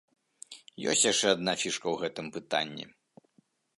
Ёсць яшчэ адна фішка ў гэтым пытанні.